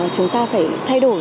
chúng ta phải thay đổi